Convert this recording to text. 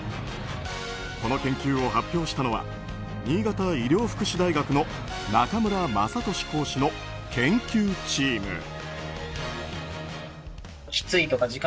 この研究を発表したのは新潟医療福祉大学の中村雅俊講師の研究チーム。